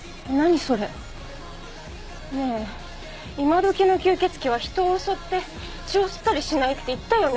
ねえ今どきの吸血鬼は人を襲って血を吸ったりしないって言ったよね？